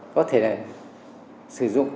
có thể sử dụng